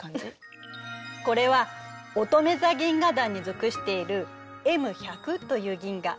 これはおとめ座銀河団に属しているＭ１００という銀河。